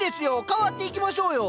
変わっていきましょうよ。